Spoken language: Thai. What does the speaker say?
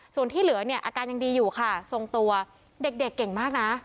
ส่วนที่เหลือเนี่ยอาการยังดีอยู่ค่ะทรงตัวเด็กเก่งมากนะ